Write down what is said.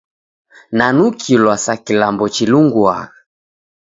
Nanukilwa sa kilambo chilinguagha.